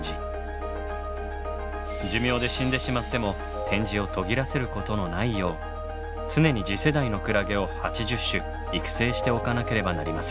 寿命で死んでしまっても展示を途切らせることのないよう常に次世代のクラゲを８０種育成しておかなければなりません。